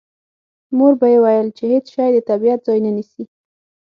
مور به یې ویل چې هېڅ شی د طبیعت ځای نه نیسي